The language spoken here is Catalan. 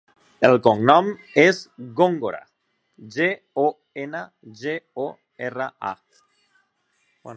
El cognom és Gongora: ge, o, ena, ge, o, erra, a.